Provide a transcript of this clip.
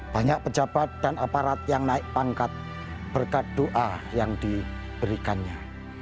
banyak pejabat dan aparat yang naik pangkat berkat doa yang diberikannya